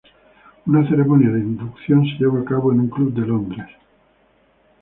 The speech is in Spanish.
Una ceremonia de inducción se lleva a cabo en un club de Londres.